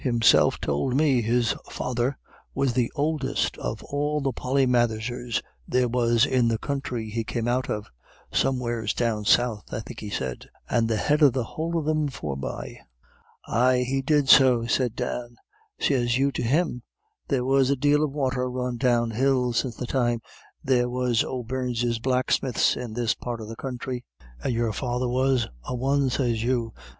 Himself tould me his father was the ouldest of all the Polymatherses there was in the counthry he came out of somewheres down south, I think he said and the head of the whole of thim forby." "Ay, he did so," said Dan. "Sez you to him, there was a dale of water run down hill since the time there was O'Beirnes blacksmiths in this part of the counthry; and your father was a one, sez you.